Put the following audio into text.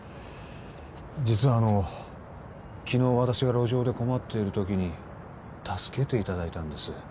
実はあの昨日私が路上で困っている時に助けていただいたんです